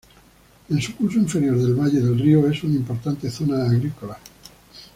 En su curso inferior del valle del río es una importante zona agrícola.